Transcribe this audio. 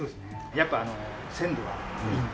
やっぱ鮮度がいいんで。